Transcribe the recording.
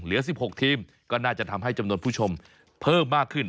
เหลือ๑๖ทีมก็น่าจะทำให้จำนวนผู้ชมเพิ่มมากขึ้น